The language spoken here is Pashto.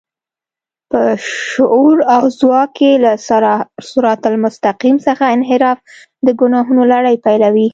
په شعور او ځواک کې له صراط المستقيم څخه انحراف د ګناهونو لړۍ پيلوي.